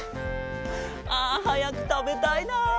あはやくたべたいな！